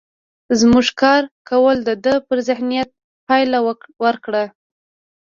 زموږ کار کولو د ده پر ذهنيت پايله ورکړه.